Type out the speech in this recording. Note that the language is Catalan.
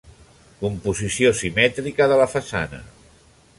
Composició simètrica de la façana.